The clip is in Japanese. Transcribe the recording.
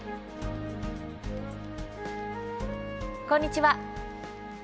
こんにちは。